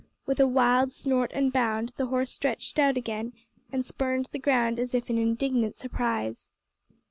With a wild snort and bound the horse stretched out again and spurned the ground as if in indignant surprise.